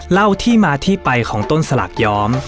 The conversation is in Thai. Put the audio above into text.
เล่าที่มาที่ไปของต้นสลากย้อม